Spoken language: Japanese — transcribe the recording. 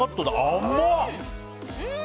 甘っ！